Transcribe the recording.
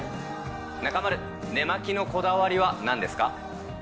中丸、寝巻きのこだわりはなんですか。